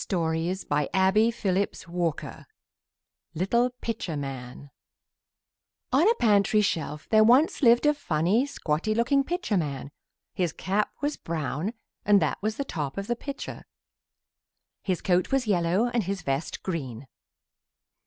LITTLE PITCHER MAN [Illustration: Little Pitcher man] On a pantry shelf there once lived a funny squatty looking pitcher man. His cap was brown and that was the top of the pitcher. His coat was yellow and his vest green.